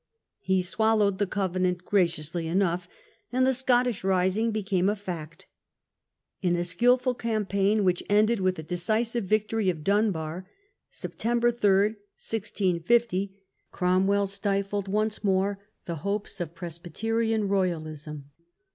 He swallowed the Cove nant graciously enough, and the Scottish rising became a fact. In a skilful campaign, which ended with the decisive victory of Dunbar (September 3, 1650), Cromwell stifled once more the hopes of Presbyterian Royalism.